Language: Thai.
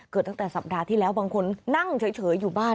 ตั้งแต่สัปดาห์ที่แล้วบางคนนั่งเฉยอยู่บ้าน